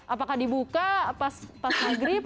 apakah dibuka pas di grip